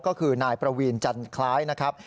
ก็คือนายประวีนจันคล้ายนะครับ